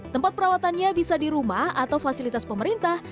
tempat perawatannya bisa di rumah atau fasilitas pemerintah